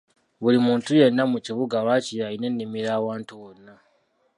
Buli muntu yenna mu kibuga waakiri alina ennimiro awantu wonna.